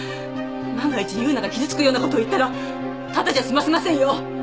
万が一優奈が傷つくようなことを言ったらタダじゃ済ませませんよ！